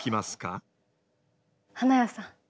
花屋さん。